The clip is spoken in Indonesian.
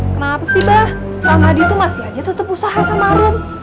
kenapa sih bah ramadi tuh masih aja tetep usaha sama rum